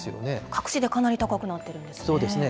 各地でかなり高くなってるんですね。